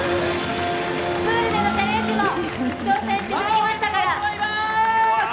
プールでのチャレンジも挑戦していただきましたから。